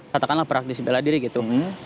katakanlah peragdisi beladiri gitu